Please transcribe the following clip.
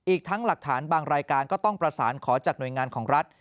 อีกทั้งหลักฐานบางรายการก็ต้องประสานขอจากหน่วยงานของรัฐ